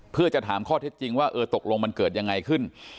เพื่อจะถามข้อเท็จจริงว่าเออตกลงมันเกิดยังไงขึ้น